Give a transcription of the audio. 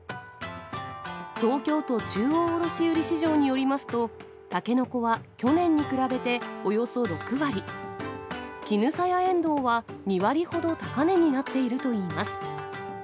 東京都中央卸売市場によりますと、タケノコは去年に比べておよそ６割、キヌサヤエンドウは２割ほど高値になっているといいます。